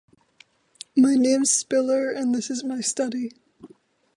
My name's Spiller, and this is my study.